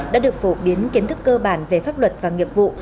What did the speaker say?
đã được phổ biến kiến thức cơ bản về pháp luật và nghiệp vụ